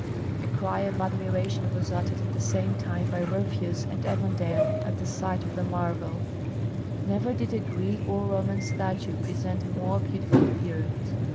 A cry of admiration was uttered at the same time by Rumphius and Evandale at the sight of the marvel. Never did a Greek or Roman statue present a more beautiful appearance.